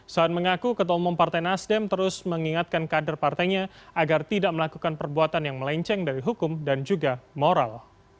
soan mengaku ketua umum partai nasdem terus mengingatkan kader partainya agar tidak melakukan perbuatan yang melenceng dari hukum dan juga moral